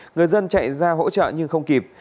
người dân chạy ra hỗ trợ nhưng không kịp